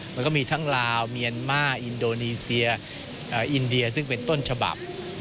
มันก็มีทั้งลาวเมียนมาอินโดนีเซียอินเดียซึ่งเป็นต้นฉบับ